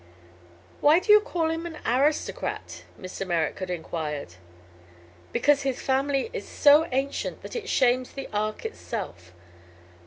"Why do you call him an aristocrat?" Mr. Merrick had enquired. "Because his family is so ancient that it shames the ark itself.